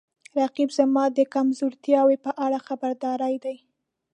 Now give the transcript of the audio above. رقیب زما د کمزورتیاو په اړه خبرداری دی